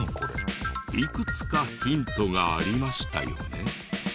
いくつかヒントがありましたよね。